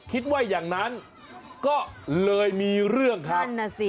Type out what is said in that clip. คิดว่าอย่างนั้นก็เลยมีเรื่องครับ